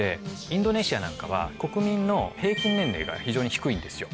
インドネシアなんかは国民の平均年齢が非常に低いんですよ。